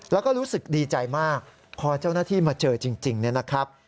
แล้วก็รู้สึกดีใจมากพอเจ้าหน้าที่มาเจอจริงเนี่ยนะครับ